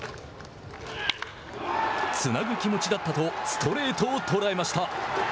つなぐ気持ちだったとストレートを捉えました。